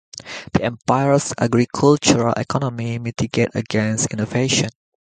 The Empire's agricultural economy mitigated against innovation.